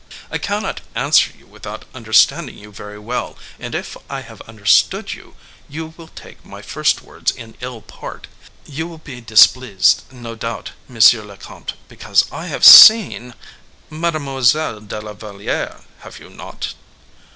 "I cannot answer you without understanding you very well; and if I have understood you, you will take my first words in ill part. You will displeased, no doubt, monsieur le comte, because I have seen—" "Mademoiselle de la Valliere—have you not?"